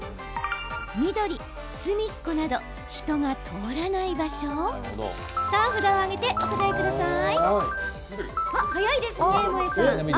緑・隅っこなど人が通らない場所さあ、札を上げてお答えください。